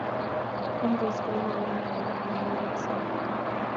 Homebozys ko koinam komie kasari